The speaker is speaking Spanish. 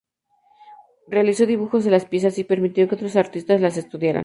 Realizó dibujos de las piezas, y permitió que otros artistas las estudiaran.